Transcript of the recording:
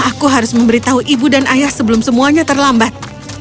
aku harus memberitahu ibu dan ayah sebelum semuanya terlambat